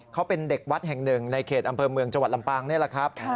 เขาเป็นเด็กวัดแห่งหนึ่งในเขตอำเภอเมืองจังหวัดลำปางนี่แหละครับ